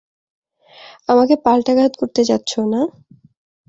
আমাকে পাল্টাঘাত করতে যাচ্ছো, না?